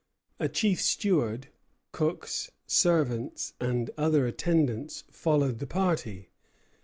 A chief steward, cooks, servants, and other attendants, followed the party.